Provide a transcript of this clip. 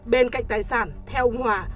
bên cạnh tài sản theo ông hòa